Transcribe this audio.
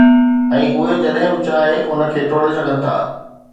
۽ اهي جڏهن به چاهي ان کي ٽوڙي سگهن ٿا.